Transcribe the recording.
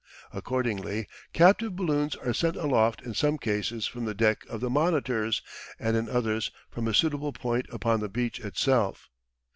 Accordingly captive balloons are sent aloft in some cases from the deck of the monitors, and in others from a suitable point upon the beach itself.